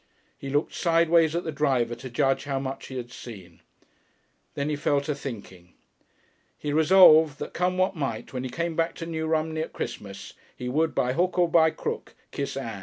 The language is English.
He looked sideways at the driver, to judge how much he had seen. Then he fell a thinking. He resolved that, come what might, when he came back to New Romney at Christmas, he would by hook or by crook kiss Ann.